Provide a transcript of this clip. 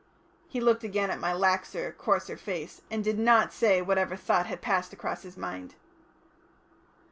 He looked again at my laxer, coarser face, and did not say whatever thought had passed across his mind.